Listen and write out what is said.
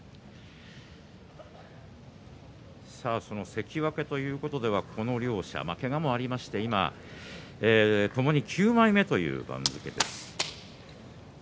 関脇ということではこの両者、けがもありまして今ともに９枚目という番付です。